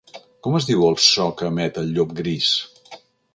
Com es diu el so que emet el llop gris?